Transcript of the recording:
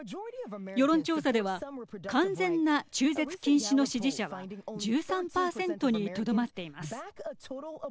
世論調査では完全な中絶禁止の支持者は１３％にとどまっています。